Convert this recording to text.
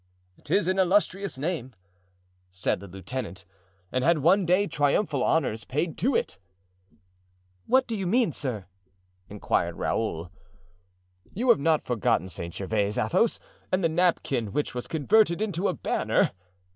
"'Tis an illustrious name," said the lieutenant, "and had one day triumphal honors paid to it." "What do you mean, sir?" inquired Raoul. "You have not forgotten St. Gervais, Athos, and the napkin which was converted into a banner?"